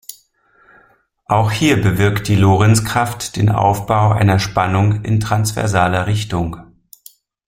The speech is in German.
Auch hier bewirkt die Lorentzkraft den Aufbau einer Spannung in transversaler Richtung.